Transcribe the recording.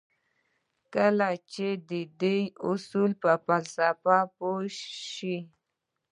کله چې د دې اصولو پر فلسفه پوه شئ.